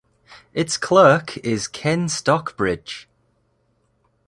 Its Clerk is Ken Stockbridge.